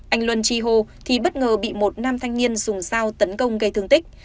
anh luân chi hô thì bất ngờ bị một nam thanh niên dùng dao tấn công gây thương tích